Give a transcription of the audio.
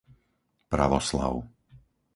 Pravoslav